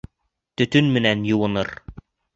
Төтөн менән йыуыныр.